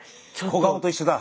小顔と一緒だ。